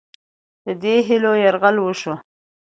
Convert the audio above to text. په دې هیلو یرغل وشو.